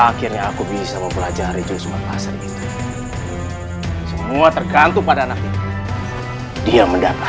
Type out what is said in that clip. amal nasty di dalamnya louis de sou vitam ukulele